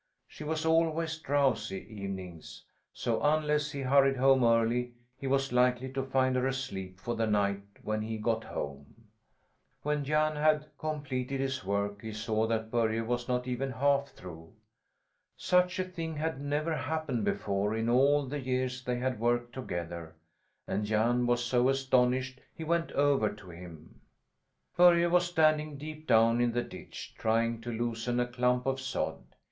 She was always drowsy evenings; so unless he hurried home early, he was likely to find her asleep for the night when he got home. When Jan had completed his work he saw that Börje was not even half through. Such a thing had never happened before in all the years they had worked together, and Jan was so astonished he went over to him. Börje was standing deep down in the ditch, trying to loosen a clump of sod.